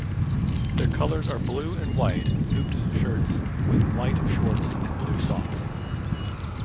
Their colors are blue and white hooped shirts with white shorts and blue socks.